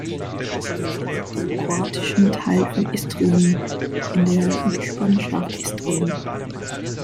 Sie liegt im kroatischen Teil von Istrien, in der Gespanschaft Istrien.